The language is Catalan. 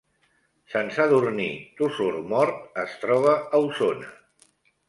Sant Sadurní d’Osormort es troba a Osona